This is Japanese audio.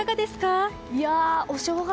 お正月